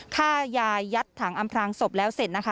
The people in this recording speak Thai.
ฆ่ายายยัดถังอำพลางศพแล้วเสร็จนะคะ